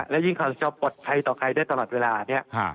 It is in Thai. และยิ่งเขาจะปลอดภัยต่อใครได้ตลอดเวลาเนี่ย